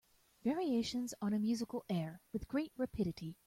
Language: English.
Variations on a musical air With great rapidity.